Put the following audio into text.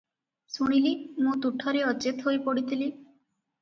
ଶୁଣିଲି, ମୁଁ ତୁଠରେ ଅଚେତ ହୋଇ ପଡିଥିଲି ।